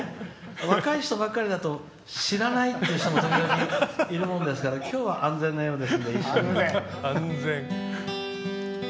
若い人ばかりだと知らないっていう人も時々、いるものですから今日は安全なようですので一緒に。